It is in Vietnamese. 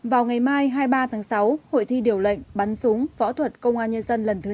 vào ngày mai hai mươi ba tháng sáu hội thi điều lệnh bắn súng võ thuật công an nhân dân lần thứ sáu